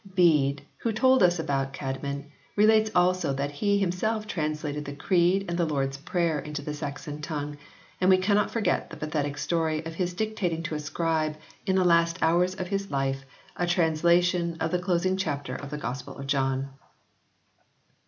Bede, who told us about Caedmon, relates also that he himself translated the Creed and the Lord s Prayer into the Saxon tongue ; and we cannot forget the pathetic story of his dictating to a scribe, in the last hours of his life, a translation of the closing chapter of the Gospel of John.